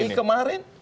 pilih dki kemarin